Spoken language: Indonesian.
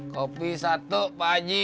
kopi satu pak aci